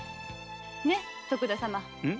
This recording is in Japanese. ねえ徳田様？